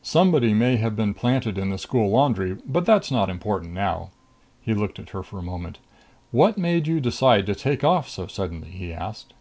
Somebody may have been planted in the school laundry, but that's not important now." He looked at her for a moment. "What made you decide to take off so suddenly?" he asked.